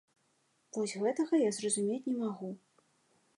Вось гэтага я зразумець не магу.